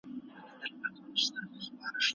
کاش چي ټول انسانان له خپلو حقونو برخمن وای.